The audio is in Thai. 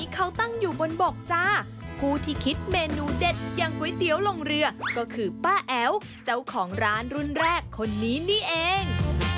ของร้านรุ่นแรกคนนี้นี่เอง